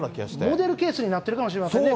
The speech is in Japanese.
モデルケースになってるかもしれませんね。